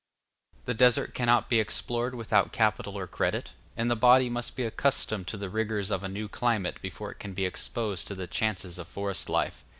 The desert cannot be explored without capital or credit; and the body must be accustomed to the rigors of a new climate before it can be exposed to the chances of forest life.